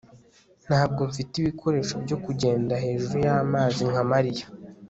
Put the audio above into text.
ntabwo mfite ibikoresho byo kugenda hejuru y'amazi nka mariya